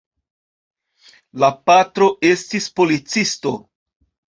La patro estis policisto.